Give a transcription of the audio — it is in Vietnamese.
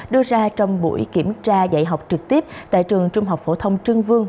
đưa ra trong buổi kiểm tra dạy học trực tiếp tại trường trung học phổ thông trương vương